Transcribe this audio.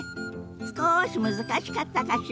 すこし難しかったかしら。